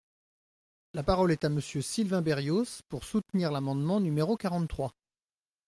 La parole est à Monsieur Sylvain Berrios, pour soutenir l’amendement numéro quarante-trois.